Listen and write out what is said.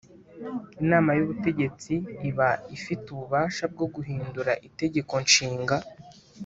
Inama y ubutegetsi iba ifite ububasha bwo guhindura itegeko nshinga